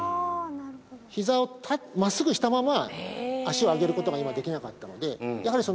ひざを真っすぐしたまま足を上げることが今できなかったのでやはり